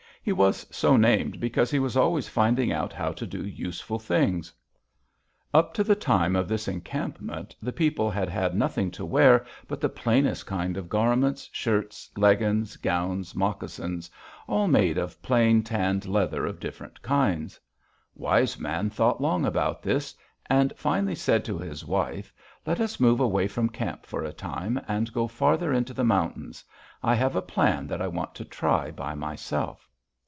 He was so named because he was always finding out how to do useful things. Mo kûk´ i In ah. "Up to the time of this encampment the people had had nothing to wear but the plainest kind of garments, shirts, leggins, gowns, moccasins, all made of plain tanned leather of different kinds. Wise Man thought long about this, and finally said to his wife: 'Let us move away from camp for a time, and go farther into the mountains. I have a plan that I want to try by myself.'